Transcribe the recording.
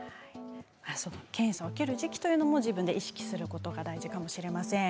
検査を受ける時期というのも自分で意識することが大事かもしれません。